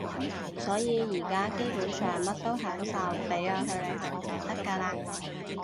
所以而家基本上乜都享受，畀我去旅行就得㗎喇